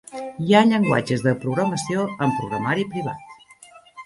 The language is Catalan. Hi ha llenguatges de programació en programari privat.